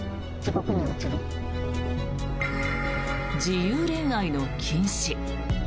自由恋愛の禁止。